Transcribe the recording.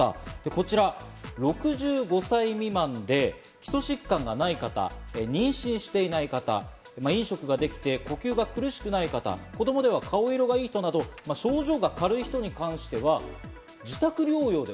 こちら、６５歳未満で基礎疾患がない方、妊娠していない方、飲食ができて呼吸が苦しくない方、子供では顔色がいい人など症状が軽い人に関しては自宅療養でＯＫ。